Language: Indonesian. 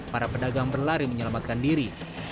para pedagang berlari menyelamatkan diri